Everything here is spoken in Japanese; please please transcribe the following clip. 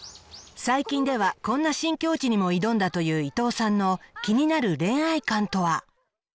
最近ではこんな新境地にも挑んだという伊藤さんの気になる恋愛観とは？